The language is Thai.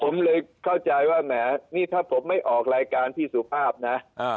ผมเลยเข้าใจว่าแหมนี่ถ้าผมไม่ออกรายการพี่สุภาพนะ